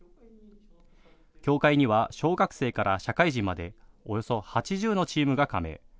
協会には小学生から社会人までおよそ８０のチームが加盟。